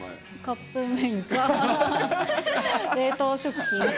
カップ麺か、冷凍食品か。